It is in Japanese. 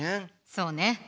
そうね。